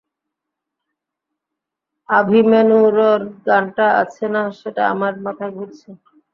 আভিমান্যুরর গানটা আছে না সেটা আমার মাথায় ঘুরছে।